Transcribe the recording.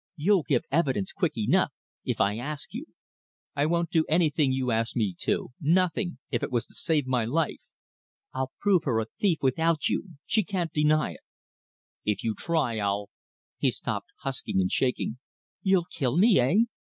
"You'll give evidence quick enough, if I ask you." "I wouldn't do anything you asked me to nothing, if it was to save my life." "I'll prove her a thief without you. She can't deny it." "If you try it, I'll " He stopped, husky and shaking. "You'll kill me, eh?